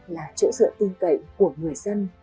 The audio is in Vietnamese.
là trợ sợ tư cậy của người dân